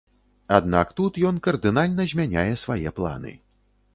Аднак тут ён кардынальна змяняе свае планы.